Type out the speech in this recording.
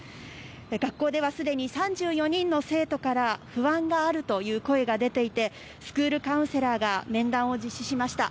学校ではすでに３４人の生徒から不安があるという声が出ていてスクールカウンセラーが面談を実施しました。